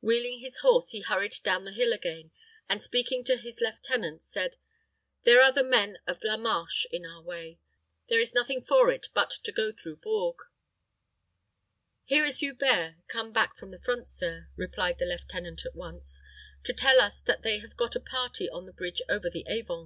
Wheeling his horse, he hurried down the hill again, and, speaking to his lieutenant, said, "There are the men of La Marche in our way. There is nothing for it but to go through Bourges." "Here is Hubert come back from the front, sir," replied the lieutenant at once, "to tell us that they have got a party on the bridge over the Avon.